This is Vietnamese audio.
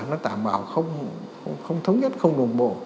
nó tảm bảo không thống nhất không đồng bộ